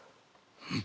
うん。